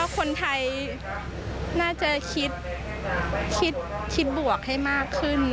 คนไทยน่าจะคิดบวกให้มากขึ้น